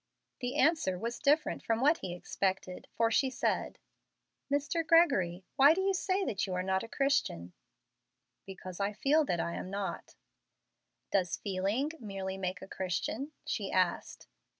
The answer was different from what he expected; for she said: "Mr. Gregory, why do you say that you are not a Christian?" "Because I feel that I am not." "Does feeling merely make a Christian?" she asked.